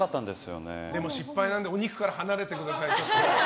失敗なのでお肉から離れてください。